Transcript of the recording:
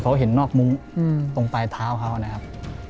เขาเห็นนอกมุ้งตรงปลายเท้าเขานะครับ